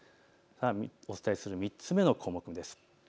お伝えする３つ目の項目。